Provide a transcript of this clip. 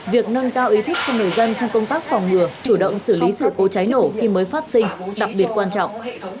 việc nâng cao ý thức cho người dân trong công tác phòng ngừa chủ động xử lý sự cố cháy nổ khi mới phát sinh đặc biệt quan trọng